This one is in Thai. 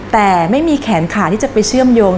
แต่ไม่มีแขนขาที่จะไปเชื่อมโยง